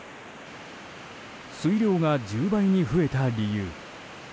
水量が１０倍に増えた理由。